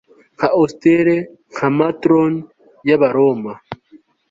Nka austere nka matron yAbaroma